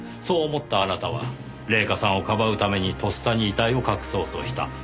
そう思ったあなたは礼夏さんをかばうためにとっさに遺体を隠そうとした。